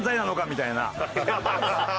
みたいな。